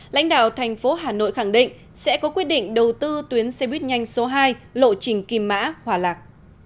lãnh đạo thành phố hà nội khẳng định sẽ có quyết định đầu tư tuyến xe buýt nhanh số hai lộ trình kim mã hòa lạc